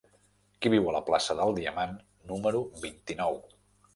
Qui viu a la plaça del Diamant número vint-i-nou?